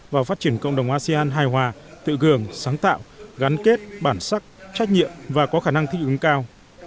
vào phát triển cộng đồng asean hài hòa tự gường sáng tạo gắn kết bản sắc trách nhiệm và có khả năng thích ứng cao